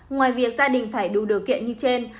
ngoài việc gia đình phải đủ điều kiện như trên